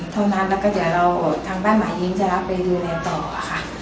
เท่านั้นแล้วก็เดี๋ยวเราทางบ้านหมายนี้จะรับไปดูแลต่อค่ะ